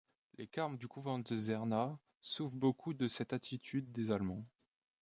Les carmes du couvent de Czerna souffrent beaucoup de cette attitude des Allemands.